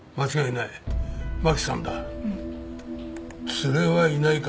連れはいないか？